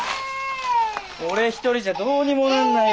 俺一人じゃどうにもなんないよ。